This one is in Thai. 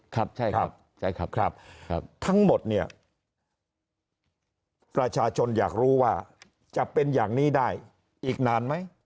ครับใช่ครับใช่ครับทั้งหมดเนี่ยประชาชนอยากรู้ว่าจะเป็นอย่างนี้ได้อีกนานไหม